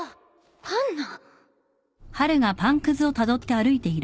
パンナ。